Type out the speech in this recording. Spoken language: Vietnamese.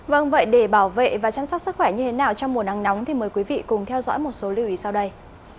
vâng vậy để bảo vệ và chăm sóc sức khỏe như thế nào trong mùa nắng nóng thì mời quý vị cùng theo dõi một số lưu ý sau đây